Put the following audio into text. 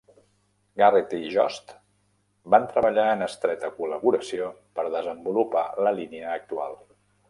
Garrett i Yost van treballar en estreta col·laboració per desenvolupar la línia actual.